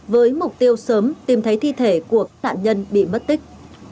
với mục tiêu sớm tìm thấy thi thể của nạn nhân bị mất tích